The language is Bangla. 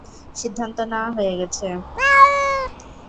সিদ্ধান্ত নেওয়া হয়ে গেছে।